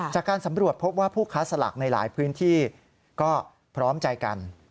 จากการสำรวจพบว่าผู้ค้าสลากในหลายพื้นที่ก็พร้อมใจกัน